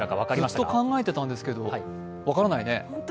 ずっと考えてたんですけど、分からないね。